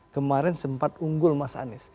kemarin sempat unggul mas anies